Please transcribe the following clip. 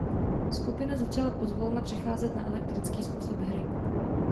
Skupina začala pozvolna přecházet na elektrický způsob hry.